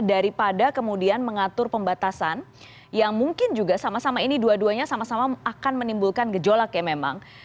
daripada kemudian mengatur pembatasan yang mungkin juga sama sama ini dua duanya sama sama akan menimbulkan gejolak ya memang